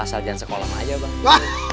asal jangan sekolah maja bang